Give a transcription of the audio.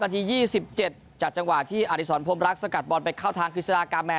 นาที๒๗จากจังหวะที่อาริสรพรมรักษ์สกัดบอลไปเข้าทางคริสรากามแมน